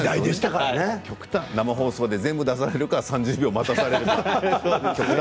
生放送で、全部出されるか３０秒待たされるか。